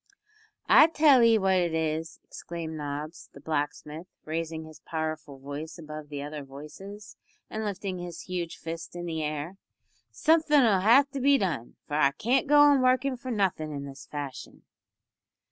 "I tell 'ee what it is," exclaimed Nobbs, the blacksmith, raising his powerful voice above the other voices, and lifting his huge fist in the air, "something'll have to be done, for I can't go on workin' for nothin' in this fashion."